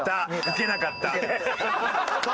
ウケなかった。